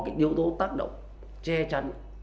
yếu tố tác động che chăn